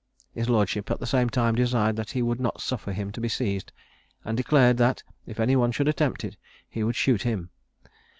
His lordship at the same time desired that he would not suffer him to be seized, and declared, that if any one should attempt it, he would shoot him.